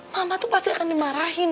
mama tuh pasti akan dimarahin